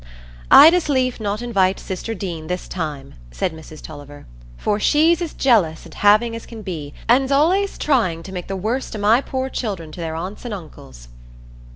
"I'd as lief not invite sister Deane this time," said Mrs Tulliver, "for she's as jealous and having as can be, and's allays trying to make the worst o' my poor children to their aunts and uncles."